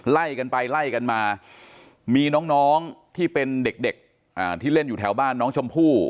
ไล่กันไปไล่กันมามีน้องที่เป็นเด็กที่เล่นอยู่แถวบ้านน้องชมพู่